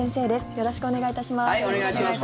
よろしくお願いします。